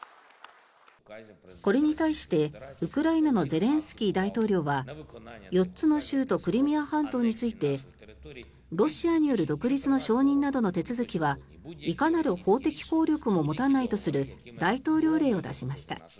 これに対してウクライナのゼレンスキー大統領は４つの州とクリミア半島についてロシアによる独立の承認などの手続きはいかなる法的効力も持たないとする大統領令を出しました。